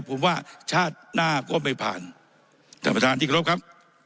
ผมว่าชาติหน้าก็ไม่ผ่านท่านประธานที่กรบครับ